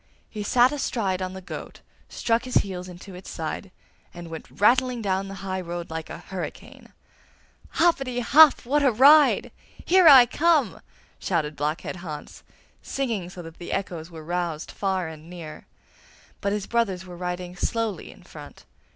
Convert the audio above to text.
He sat astride on the goat, struck his heels into its side, and went rattling down the high road like a hurricane. 'Hoppetty hop! what a ride!' Here I come!' shouted Blockhead Hans, singing so that the echoes were roused far and near. But his brothers were riding slowly in front.